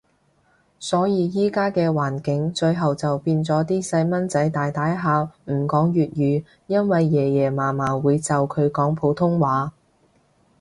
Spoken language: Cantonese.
所以依家嘅環境，最後就變咗啲細蚊仔大大下唔講粵語，因為爺爺嫲嫲會就佢講普通話